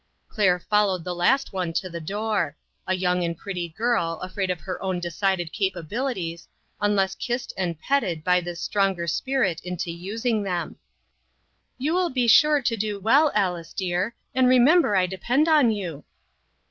Claire followed the last one to the door ; a young and pretty girl, afraid of her own decided capabilities, unless kissed and petted by this stronger spirit into using them. "You will be sure to do well, Alice dear, and remember I depend on you."